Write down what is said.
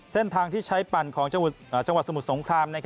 เส้นทางที่ใช้ปั่นของจังหวัดสมุทรสงคราม